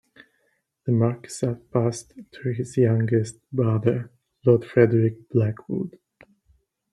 The marquessate passed to his youngest brother, Lord Frederick Blackwood.